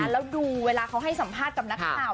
แล้วดูเวลาเขาให้สัมภาษณ์กับนักข่าว